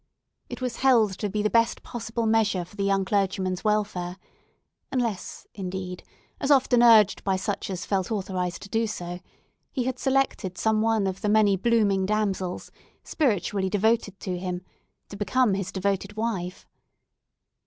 It was held to be the best possible measure for the young clergyman's welfare; unless, indeed, as often urged by such as felt authorised to do so, he had selected some one of the many blooming damsels, spiritually devoted to him, to become his devoted wife.